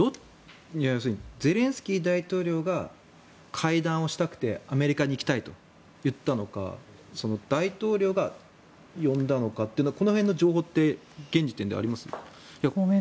ゼレンスキー大統領が会談をしたくてアメリカに行きたいと言ったのか大統領が呼んだのかというのはこの辺の情報って現時点であります？